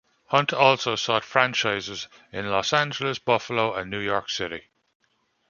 Hunt also sought franchises in Los Angeles, Buffalo and New York City.